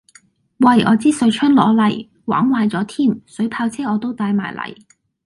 喂我支水槍攞嚟，玩壞咗添，水炮車我都帶埋嚟